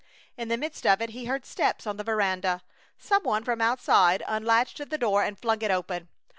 In the midst of it he heard steps on the veranda. Some one from outside unlatched the door and flung it open.